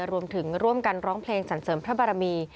รวมถึงร่วมกันร้องเพลงสรรเสริมพระบารมี